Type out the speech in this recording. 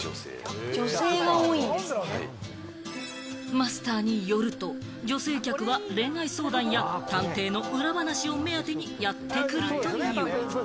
マスターによると、女性客は恋愛相談や探偵の裏話を目当てにやってくるという。